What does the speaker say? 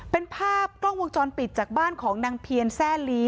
เป็นภาพกล้องวงจรปิดจากบ้านของนางเพียนแซ่ลี